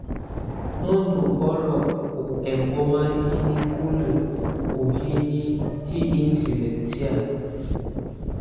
Nù ndù ɔlɔ ɔ ɛmbɔma yi nikulǝ ù hini hi indili tɛ̀á.